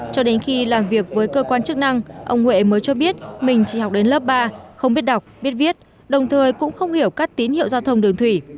cho đến khi làm việc với cơ quan chức năng ông huệ mới cho biết mình chỉ học đến lớp ba không biết đọc biết viết đồng thời cũng không hiểu các tín hiệu giao thông đường thủy